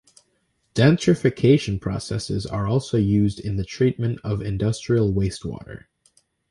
Denitrification processes are also used in the treatment of industrial wastewater.